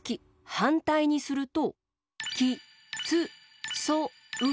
はんたいにすると？